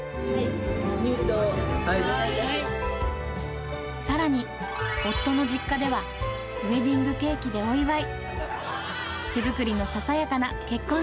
はい、さらに、夫の実家ではウエディングケーキでお祝い。